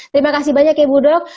terima kasih banyak ya budok